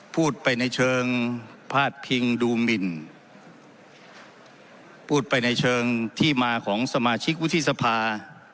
พูดไปในเชิงพาดพิงดูหมินพูดไปในเชิงที่มาของสมาชิกวุฒิสภา